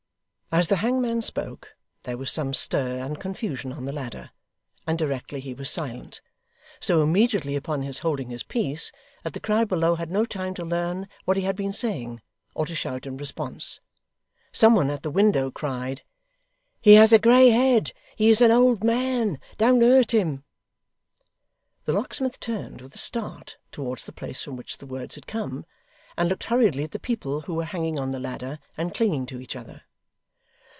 As the hangman spoke, there was some stir and confusion on the ladder; and directly he was silent so immediately upon his holding his peace, that the crowd below had no time to learn what he had been saying, or to shout in response some one at the window cried: 'He has a grey head. He is an old man: Don't hurt him!' The locksmith turned, with a start, towards the place from which the words had come, and looked hurriedly at the people who were hanging on the ladder and clinging to each other.